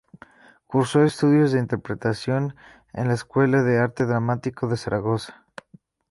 Cursó estudios de interpretación en la Escuela de Arte Dramático de Zaragoza.